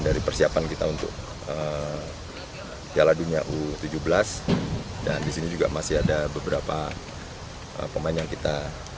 dari persiapan kita untuk piala dunia u tujuh belas dan di sini juga masih ada beberapa pemain yang kita